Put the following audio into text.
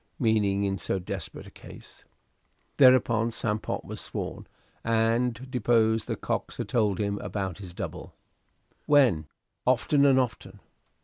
Meaning in so desperate a case. Thereupon Sam Pott was sworn, and deposed that Cox had told him about this double. "When?" "Often and often."